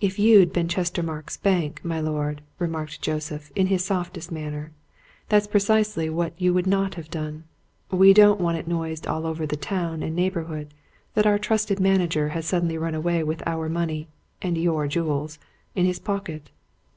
"If you'd been Chestermarke's Bank, my lord," remarked Joseph, in his softest manner, "that's precisely what you would not have done. We don't want it noised all over the town and neighbourhood that our trusted manager has suddenly run away with our money and your jewels in his pocket."